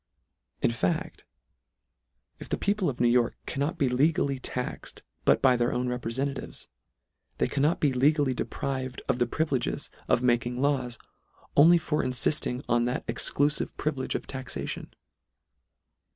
In fact, if the people of New York cannot be legally taxed but by their own reprefentatives, they can not be legally deprived of the privileges of making laws, only for infilling on that ex clufive privilege of taxation.